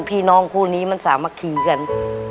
พี่น้องคู่นี้มันสามัคคีกัน